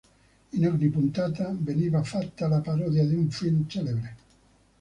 In ogni puntata veniva fatta la parodia di un film celebre.